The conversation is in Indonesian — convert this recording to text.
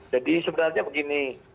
jadi sebenarnya begini